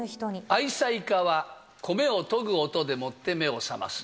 愛妻家は米をとぐ音でもって目を覚ます。